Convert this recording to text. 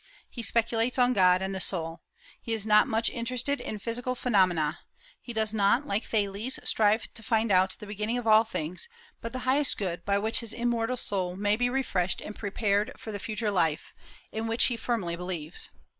He speculates on God and the soul. He is not much interested in physical phenomena; he does not, like Thales, strive to find out the beginning of all things, but the highest good, by which his immortal soul may be refreshed and prepared for the future life, in which he firmly believes.